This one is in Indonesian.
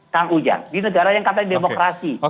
kang ujang di negara yang katanya demokrasi